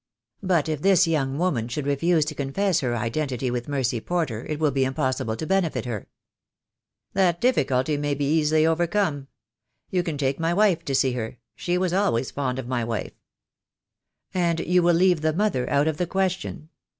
"But if this young woman should refuse to confess her identity with Mercy Porter it will be impossible to benefit her." "That difficulty maybe easily overcome. You can take my wife to see her. She was always fond of my wife." "And you wall leave the mother out of the question.